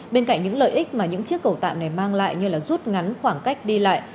bên cạnh những lợi ích mà những chiếc cầu tạm này mang lại như rút ngắn khoảng cách đi lại